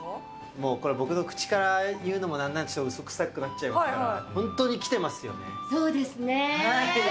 もうこれは僕の口からいうのも何なんですが、うそくさくなっちゃいますから、本当に来てますよね。